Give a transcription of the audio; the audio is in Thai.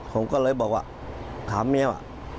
ผมก็เลยบอกว่าถามเมีย